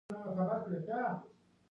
د دولت د مرکزیت کچه ممکنه کوي.